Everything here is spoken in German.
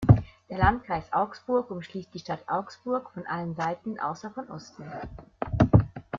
Der Landkreis Augsburg umschließt die Stadt Augsburg von allen Seiten außer von Osten.